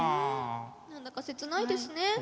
何だか切ないですね。